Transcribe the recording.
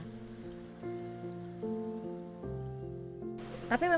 kami bisa beristirahat sejenak